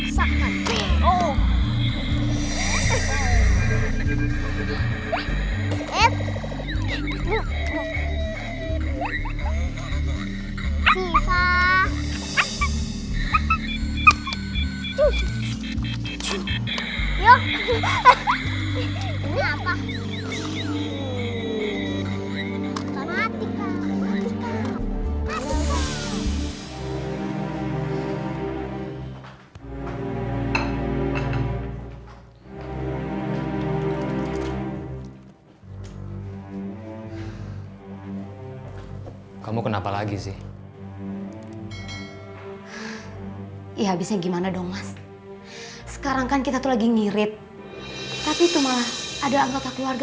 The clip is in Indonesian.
sampai jumpa di video selanjutnya